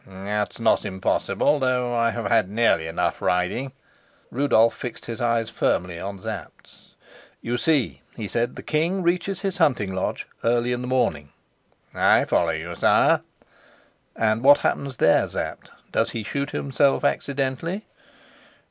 "That's not impossible, though I have had nearly enough riding." Rudolf fixed his eyes firmly on Sapt's. "You see," he said, "the king reaches his hunting lodge early in the morning." "I follow you, sire." "And what happens there, Sapt? Does he shoot himself accidentally?"